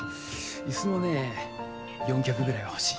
椅子もね４脚ぐらいは欲しい。